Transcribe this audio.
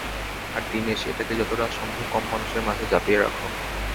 আর দীনেশ, এটাকে যতটা সম্ভব কম মানুষের মাঝে চাপিয়ে রাখো।